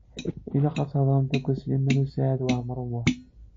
Ilaq ad theḍṛemt akked Sliman U Saɛid Waɛmaṛ U Muḥ.